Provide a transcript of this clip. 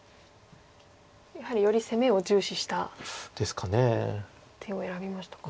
やはりより攻めを重視した手を選びましたか。